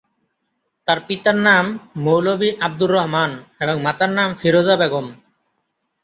তার পিতার নাম মৌলভী আব্দুর রহমান এবং মাতার নাম ফিরোজা বেগম।